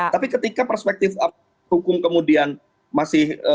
tapi ketika perspektif hukum kemudian masih